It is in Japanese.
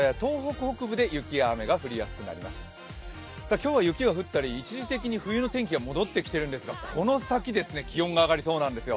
今日は雪が降ったり、一時的に冬の天気が戻ってきているんですがこの先、気温が上がりそうなんですよ。